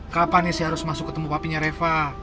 kapan sih harus masuk ketemu papinya reva